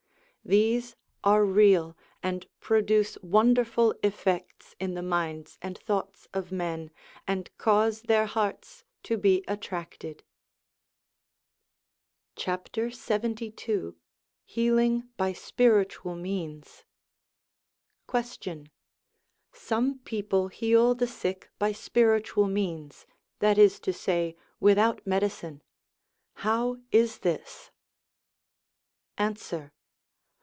These are real, and produce wonderful effects in the minds and thoughts of men, and cause their hearts to be attracted. LXXII HEALING BY SPIRITUAL MEANS Question. Some people heal the sick by spiritual means, that is to say, without medicine. How is this? Answer.